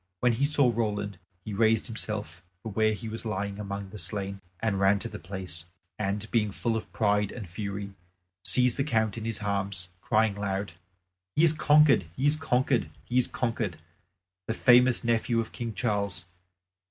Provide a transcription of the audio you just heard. When he saw Roland, he raised himself from where he was lying among the slain and ran to the place, and, being full of pride and fury, seized the Count in his arms, crying aloud, "He is conquered, he is conquered, he is conquered, the famous nephew of King Charles!